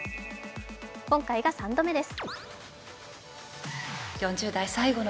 今回が３度目です。